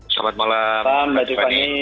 selamat malam mbak tiffany